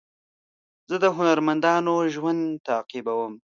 زه د هنرمندانو ژوند تعقیبوم.